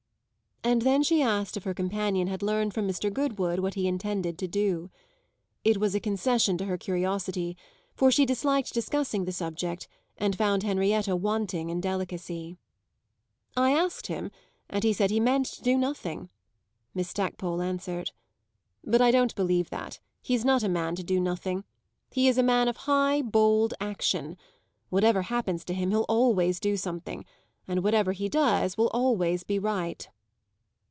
And then she asked if her companion had learned from Mr. Goodwood what he intended to do. It was a concession to her curiosity, for she disliked discussing the subject and found Henrietta wanting in delicacy. "I asked him, and he said he meant to do nothing," Miss Stackpole answered. "But I don't believe that; he's not a man to do nothing. He is a man of high, bold action. Whatever happens to him he'll always do something, and whatever he does will always be right."